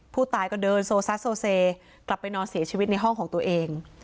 ผู้ตายก็เดินโซซัสโซเซกลับไปนอนเสียชีวิตในห้องของตัวเอง